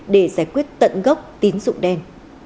để giải quyết tận gốc tín dụng đen